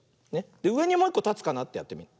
うえにもういっこたつかなってやってみる。